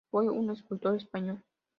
Fue un escultor español.